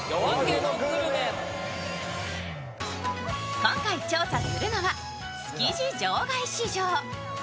今回調査するのは、築地場外市場